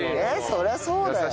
そりゃそうだよ。